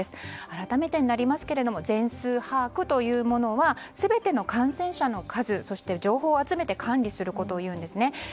改めてになりますけれども全数把握というものは全ての感染者の数そして情報を集めて管理することを言うんですね。